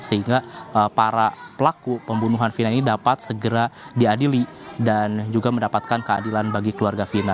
sehingga para pelaku pembunuhan vina ini dapat segera diadili dan juga mendapatkan keadilan bagi keluarga fina